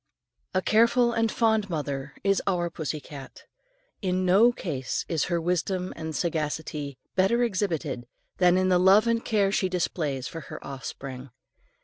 A careful and fond mother is our pussy cat. In no case is her wisdom and sagacity better exhibited than in the love and care she displays for her offspring.